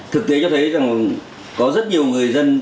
thực tế cho thấy rằng có rất nhiều người dân